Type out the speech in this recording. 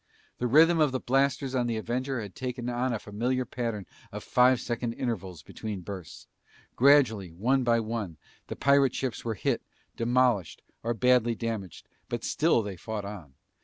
The rhythm of the blasters on the Avenger had taken on a familiar pattern of five second intervals between bursts. Gradually, one by one, the pirate ships were hit, demolished or badly damaged, but still they fought on.